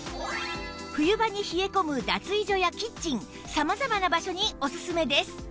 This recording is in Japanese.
冬場に冷え込む脱衣所やキッチン様々な場所にオススメです